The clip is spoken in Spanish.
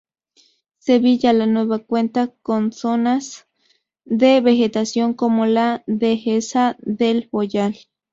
Sevilla la Nueva cuenta con zonas de vegetación como la dehesa del Boyal.